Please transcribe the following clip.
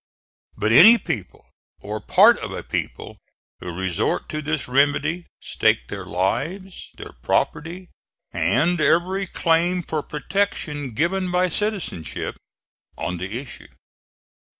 But any people or part of a people who resort to this remedy, stake their lives, their property, and every claim for protection given by citizenship on the issue.